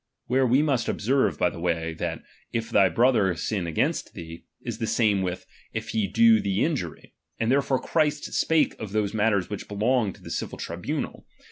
Where we must observe by the H way, that t/' thy brother sin against thee, is the H same with, (f he do thee injury ; and therefore H Christ spake of those matters which belonged to ^L the cinl tribunal.